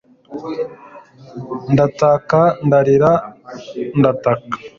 ndataka, ndarira, ndataka